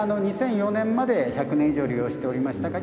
２００４年まで１００年以上利用しておりましたが現在は。